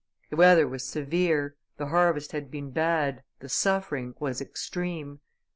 The weather was severe, the harvest had been bad, the suffering was extreme.